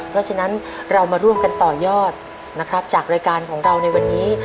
เพราะฉะนั้นเรามาร่วมกันต่อยอดนะครับจากรายการของเราในวันนี้